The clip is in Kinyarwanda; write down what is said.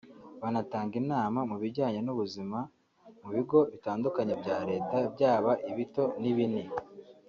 banatanga inama mu bijyanye n’ubuzima mu bigo bitandukanye bya leta byaba ibito n’ibini